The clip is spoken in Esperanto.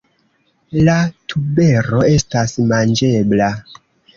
La tubero estas manĝebla.